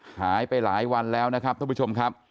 หายไปหลายวันแล้วนะครับท่านผู้ชมครับ